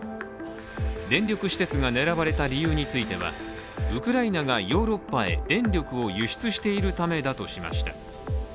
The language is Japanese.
電力施設が狙われた理由については、ウクライナがヨーロッパへ電力を輸出しているためだとしました。